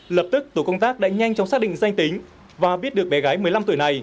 lập tức tổ công tác đã nhanh chóng xác định danh tính và biết được bé gái một mươi năm tuổi này